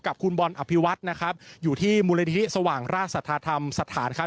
กับคุณบอลอภิวัฒน์นะครับอยู่ที่มูลนิธิสว่างราชสัทธาธรรมสถานครับ